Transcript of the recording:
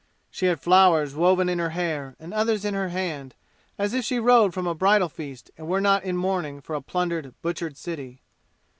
She had flowers woven in her hair, and others in her hand, as if she rode from a bridal feast and were not in mourning for a plundered, butchered city.